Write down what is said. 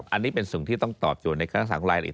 อันนี้เป็นสิ่งที่ต้องตอบโจทย์ในการรักษาของรายละเอียด